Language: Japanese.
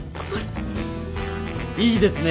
いいですね。